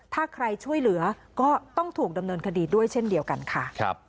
ถ้าใครช่วยเหลือก็ต้องถูกดำเนินคดีด้วยเช่นเดียวกันค่ะ